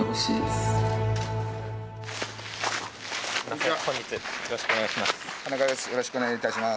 よろしくお願いします。